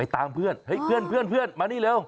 ตามเพื่อนเฮ้ยเพื่อนมานี่เร็ว